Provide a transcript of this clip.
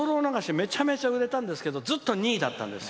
めちゃめちゃ売れたんですけどずっと２位だったんです。